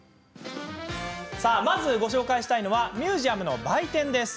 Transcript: さあ、まずご紹介したいのはミュージアムの売店です。